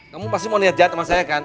kamu pasti mau niat jahat sama saya kan